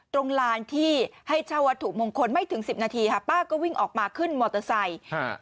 ตรงลานที่ให้เช่าวัตถุมงคลไม่ถึงสิบนาทีค่ะป้าก็วิ่งออกมาขึ้นมอเตอร์ไซค์ฮะ